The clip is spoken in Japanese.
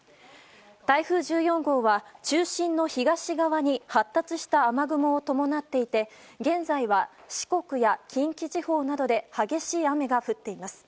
台風１４号は、中心の東側に発達した雨雲を伴っていて現在は中国や近畿地方などで激しい雨が降っています。